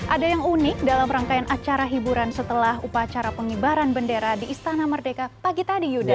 ada yang unik dalam rangkaian acara hiburan setelah upacara pengibaran bendera di istana merdeka pagi tadi yuda